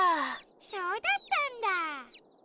そうだったんだ！